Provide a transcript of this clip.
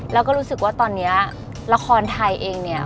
แล้วก็รู้สึกว่าตอนนี้ละครไทยเองเนี่ย